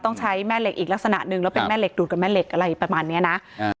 ต้องใช้แม่เหล็กอีกลักษณะหนึ่งแล้วเป็นแม่เหล็กดูดกับแม่เหล็กอะไรประมาณเนี้ยนะอ่า